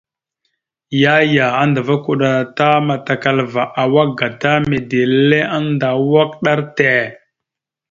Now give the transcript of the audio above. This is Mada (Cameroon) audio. Yaya andava kuɗa ta matakalva awak gata mide ille annda awak ɗar te.